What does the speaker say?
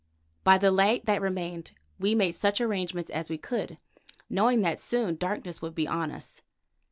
By the light that remained we made such arrangements as we could, knowing that soon darkness would be on us.